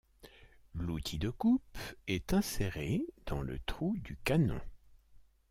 L'outil de coupe est inséré dans le trou du canon.